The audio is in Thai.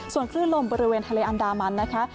ส่วนคลื่นลมบริเวณทะเลอันดามันนะคะ